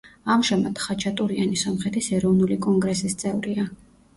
ამჟამად, ხაჩატურიანი სომხეთის ეროვნული კონგრესის წევრია.